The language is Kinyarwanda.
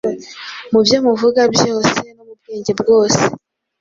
mu byo muvuga byose no mu bwenge bwose